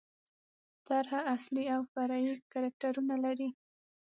طرحه اصلي او فرعي کرکټرونه لري.